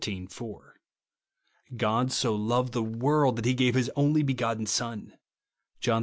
4) ;" God so loved the world, that he gave his only begotten Son, (John iii.